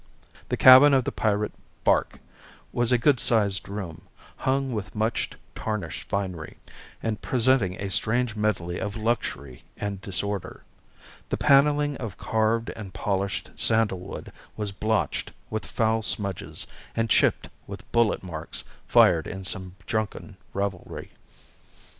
The cabin of the pirate barque was a good sized room, hung with much tarnished finery, and presenting a strange medley of luxury and disorder. The panelling of carved and polished sandal wood was blotched with foul smudges and chipped with bullet marks fired in some drunken revelry.